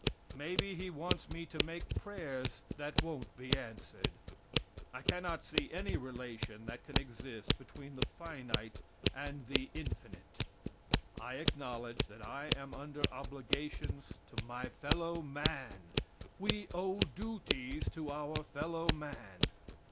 Maybe he wants me to make prayers that won't be answered. I cannot see any relation that can exist between the finite and the infinite. I acknowledge that I am under obligations to my fellow man. We owe duties to our fellow man.